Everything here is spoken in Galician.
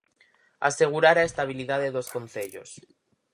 "Asegurar a estabilidade dos concellos".